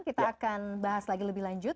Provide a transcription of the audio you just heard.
kita akan bahas lagi lebih lanjut